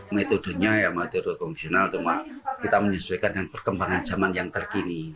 metodenya ya metode konvensional cuma kita menyesuaikan dengan perkembangan zaman yang terkini